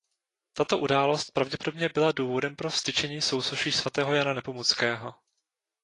Tato událost pravděpodobně byla důvodem pro vztyčení sousoší svatého Jana Nepomuckého.